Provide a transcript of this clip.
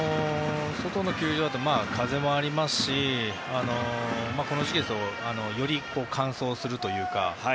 外の球場だと風もありますしこの時期ですとより乾燥するというか。